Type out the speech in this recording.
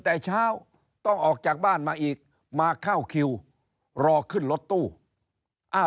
แต่เช้าต้องออกจากบ้านมาอีกมาเข้าคิวรอขึ้นรถตู้อ้าว